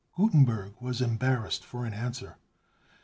Gutenberg was embarrassed for an answer.